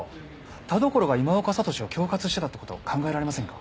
田所が今岡智司を恐喝してたって事考えられませんか？